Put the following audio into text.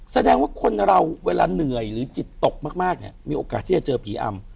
แสดงว่าคนเราเวลาเหนื่อยหรือจิตตกมากเนี่ยมีโอกาสที่จะเจอผีอำ